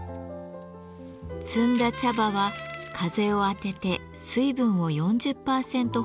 摘んだ茶葉は風を当てて水分を４０％ほど飛ばします。